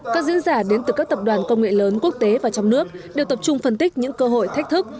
các diễn giả đến từ các tập đoàn công nghệ lớn quốc tế và trong nước đều tập trung phân tích những cơ hội thách thức